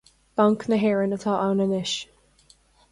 Banc na hÉireann atá ann anois